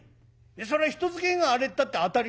そりゃ人使えが荒えったって当たり前だ。